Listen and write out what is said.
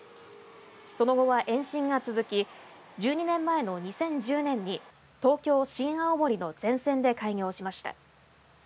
その後は延伸が続き１２年前の２０１０年に東京、新青森の全線で開業しました。